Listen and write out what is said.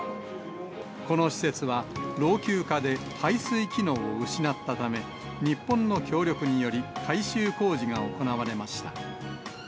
この施設は、老朽化で排水機能を失ったため、日本の協力により、改修工事が行われました。